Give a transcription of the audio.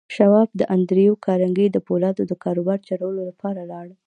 شواب د انډريو کارنګي د پولادو د کاروبار چلولو لپاره لاړ.